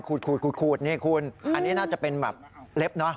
ขูดขูดขูดขูดนี่คุณอืมอันนี้น่าจะเป็นแบบเล็บเนอะ